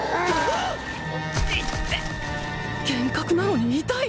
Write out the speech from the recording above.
イッテ幻覚なのに痛い！